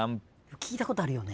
聞いたことあるよね。